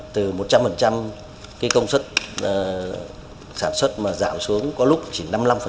từ một trăm linh cái công suất sản xuất mà giảm xuống có lúc chỉ năm mươi năm